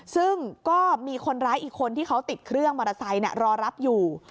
ซึ่งก็มีคนร้ายอีกคนที่เขาติดเครื่องมอเตอร์ไซค์รอรับอยู่